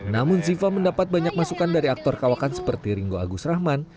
namun ziva mendapat banyak masukan dari aktor kawakan seperti ringo agus rahman